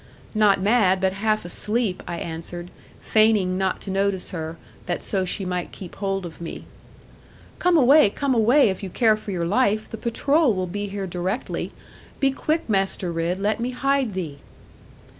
'Not mad, but half asleep,' I answered, feigning not to notice her, that so she might keep hold of me. 'Come away, come away, if you care for life. The patrol will be here directly. Be quick, Master Ridd, let me hide thee.'